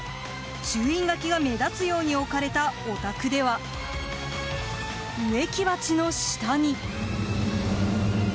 注意書きが目立つように置かれたお宅では植木鉢の下に。